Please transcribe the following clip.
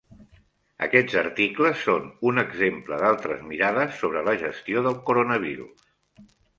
Aquests articles són un exemple d'altres mirades sobre la gestió del coronavirus.